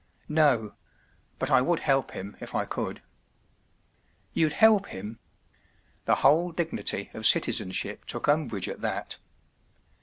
” “ No—but I would help him, if I could.” “ You’d help him ? ” The whole dignity of citizenship took umbrage at that.